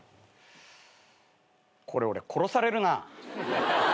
これ俺殺されるな。